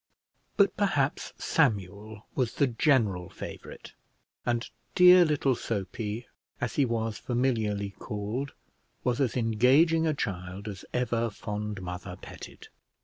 But perhaps Samuel was the general favourite; and dear little Soapy, as he was familiarly called, was as engaging a child as ever fond mother petted.